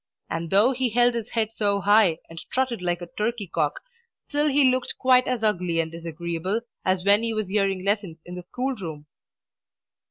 And though he held his head so high, and strutted like a turkey cock, still he looked quite as ugly and disagreeable as when he was hearing lessons in the school room.